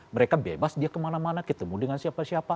mereka bebas dia kemana mana ketemu dengan siapa siapa